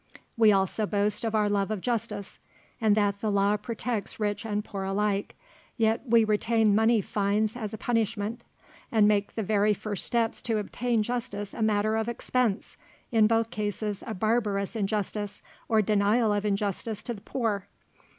We also boast of our love of justice, and that the law protects rich and poor alike, yet we retain money fines as a punishment, and make the very first steps to obtain justice a matter of expense in both cases a barbarous injustice, or denial of justice to the poor.